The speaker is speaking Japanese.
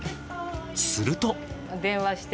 すると。